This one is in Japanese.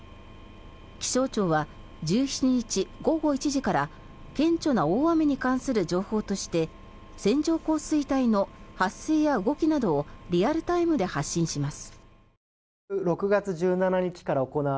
気象庁は１７日午後１時から「顕著な大雨に関する情報」として線状降水帯の発生や動きなどをリアルタイムで発信します。